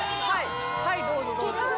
はいどうぞどうぞ。